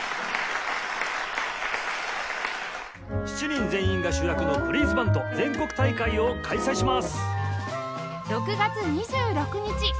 ７人全員が主役のブリーズバンド全国大会を開催します！